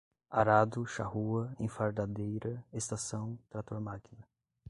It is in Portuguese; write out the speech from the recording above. arado, charrua, enfardadeira, estação trator-máquina